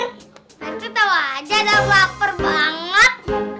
aku tau aja dong lapar banget